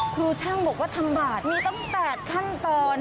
ครูช่างบอกว่าทำบาทมีตั้ง๘ขั้นตอน